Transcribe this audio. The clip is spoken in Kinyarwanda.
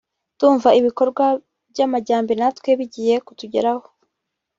(…) ndumva ibikorwa by’amajyambere natwe bigiye kutugeraho”